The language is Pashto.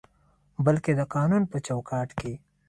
بلکې د قانون په چوکاټ کې